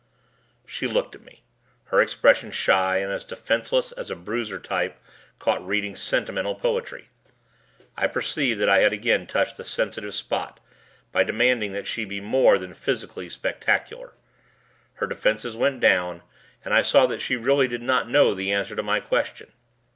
She looked at me, her expression shy and as defenseless as a bruiser type caught reading sentimental poetry. I perceived that I had again touched a sensitive spot by demanding that she be more than physically spectacular. Her defenses went down and I saw that she really did not know the answer to my question.